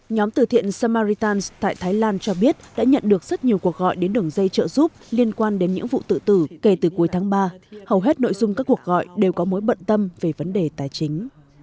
nhóm từ thiện samaritan tại thái lan cho biết đã nhận được rất nhiều cuộc gọi đến đường dây trợ giúp liên quan đến những vụ tự tử kể từ cuối tháng ba hầu hết nội dung các cuộc gọi đều có mối bận tâm về vấn đề tài chính